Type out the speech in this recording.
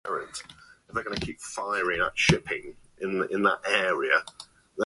Both power plants are located in Shueili Township along the Shuili River.